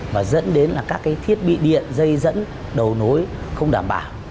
mà dẫn đến các thiết bị điện dây dẫn đầu nối không đảm bảo